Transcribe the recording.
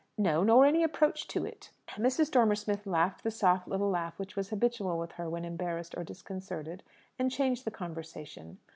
No, nor any approach to it." Mrs. Dormer Smith laughed the soft little laugh which was habitual with her when embarrassed or disconcerted, and changed the conversation.